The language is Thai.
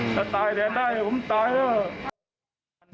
ถ้าตายแทนได้ผมตายเถอะ